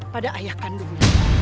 pada ayah kandungnya